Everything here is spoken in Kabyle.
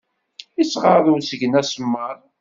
Ittɣaḍ usgen asemmaḍ.